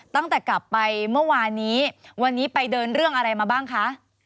ตั้งแต่กลับไปเมื่อวานนี้วันนี้ไปเดินเรื่องอะไรมาบ้างคะ